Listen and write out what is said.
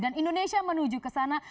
dan indonesia menuju ke sana